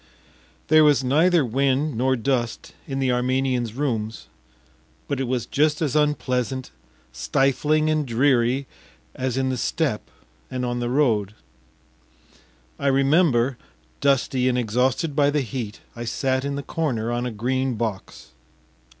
There was neither wind nor dust in the Armenian’s rooms, but it was just as unpleasant, stifling, and dreary as in the steppe and on the road. I remember, dusty and exhausted by the heat, I sat in the corner on a green box.